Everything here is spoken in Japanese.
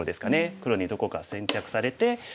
黒にどこか先着されて。